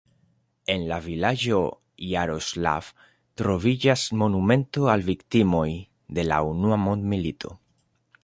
En la vilaĝo Jaroslav troviĝas monumento al viktimoj de la unua mondmilito.